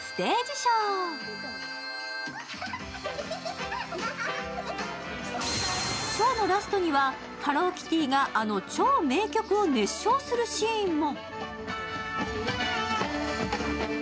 ショーのラストにはハローキティがあの超名曲を熱唱するシーンも。